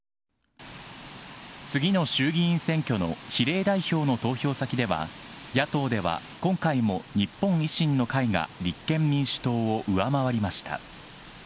次の衆議院選挙の比例代表の投票先では、野党では今回も日本維新の会が立憲民主党を上回りました。